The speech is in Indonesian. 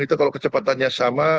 itu kalau kecepatannya sama